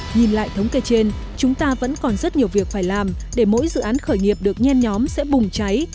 nhìn lại thống kê trên chúng ta vẫn còn rất nhiều việc phải làm để mỗi dự án khởi nghiệp được nhen nhóm sẽ bùng cháy